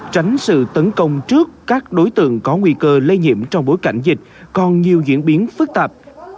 tránh sự tấn công trước các đối tượng có nguy cơ lây nhiễm trong bối cảnh dịch còn nhiều diễn biến phức tạp